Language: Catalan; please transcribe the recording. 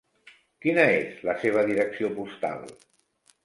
Quina és la seva direcció postal?